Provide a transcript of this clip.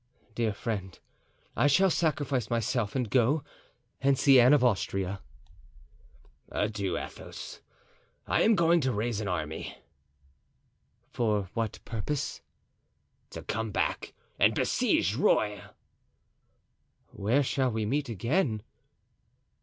"Dear friend, I shall sacrifice myself and go and see Anne of Austria." "Adieu, Athos, I am going to raise an army." "For what purpose?" "To come back and besiege Rueil." "Where shall we meet again?"